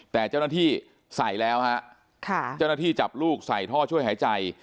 แต่เจ้าหน้าที่ใส่แล้วฮะเจ้าหน้าที่จับลูกใส่ท่อช่วยหายใจ